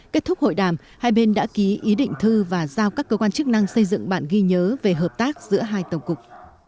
kết thúc hội đàm hai bên đã ký ý định thư và giao các cơ quan chức năng xây dựng bản ghi nhớ về hợp tác giữa hai tổng cục